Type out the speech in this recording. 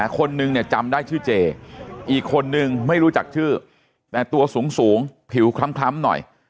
คนนึงเนี่ยจำได้ชื่อเจอีกคนนึงไม่รู้จักชื่อแต่ตัวสูงผิวคล้ำหน่อย